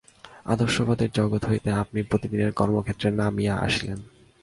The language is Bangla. আদর্শবাদের জগৎ হইতে আপনি প্রতিদিনের কর্মক্ষেত্রে নামিয়া আসিলেন।